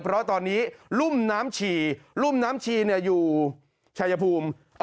เพราะตอนนี้รุ่มน้ำฉี่รุ่มน้ำชีอยู่ชายภูมิ